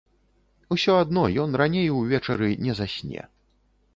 Усё адно ён раней увечары не засне.